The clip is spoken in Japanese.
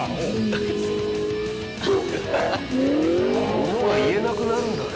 ものが言えなくなるんだね。